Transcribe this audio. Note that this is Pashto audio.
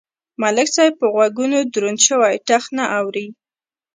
ملک صاحب په غوږونو دروند شوی ټخ نه اوري.